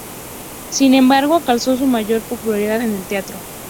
Sin embargo alcanzó su mayor popularidad en el teatro.